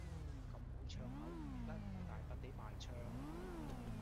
咁好唱口，點解唔去大笪地賣唱。